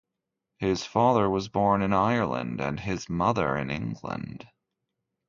His father was born in Ireland and his mother in England.